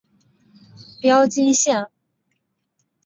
标津线。